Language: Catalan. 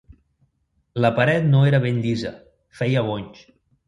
La paret no era ben llisa: feia bonys.